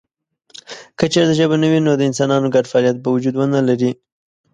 که چېرته ژبه نه وي نو د انسانانو ګډ فعالیت به وجود ونه لري.